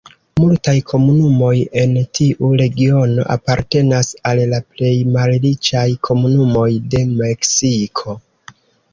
Multaj komunumoj en tiu regiono apartenas al la plej malriĉaj komunumoj de Meksiko.